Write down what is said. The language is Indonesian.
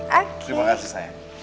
terima kasih sayang